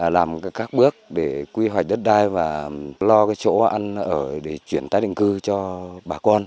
làm các bước để quy hoạch đất đai và lo chỗ ăn ở để chuyển tái định cư cho bà con